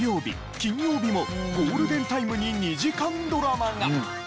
金曜日もゴールデンタイムに２時間ドラマが。